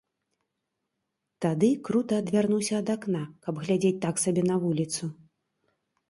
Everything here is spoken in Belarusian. Тады крута адвярнуўся да акна, каб глядзець так сабе на вуліцу.